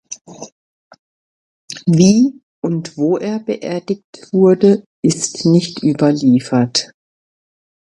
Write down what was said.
Wie und wo er beerdigt wurde, ist nicht überliefert.